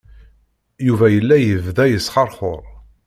Yuba yella yebda yesxeṛxuṛ.